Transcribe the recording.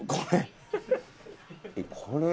これ。